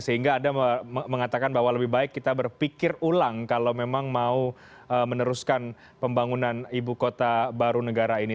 sehingga anda mengatakan bahwa lebih baik kita berpikir ulang kalau memang mau meneruskan pembangunan ibu kota baru negara ini